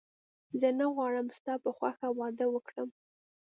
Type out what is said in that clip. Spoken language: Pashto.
زه نه غواړم ستا په خوښه واده وکړم